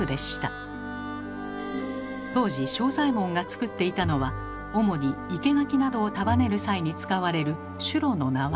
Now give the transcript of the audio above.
当時正左衛門が作っていたのは主に生け垣などを束ねる際に使われるシュロの縄。